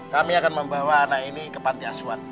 kami akan membawa anak ini ke panti asuhan